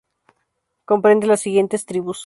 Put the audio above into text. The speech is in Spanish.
Comprende las siguiente tribus.